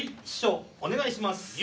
師匠お願いします。